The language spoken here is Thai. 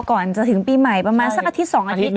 ก่อนจะถึงปีใหม่ประมาณสักอาทิตย์๒อาทิตย์